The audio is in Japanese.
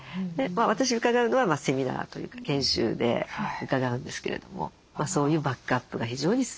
私伺うのはセミナーというか研修で伺うんですけれどもそういうバックアップが非常に進んでいると。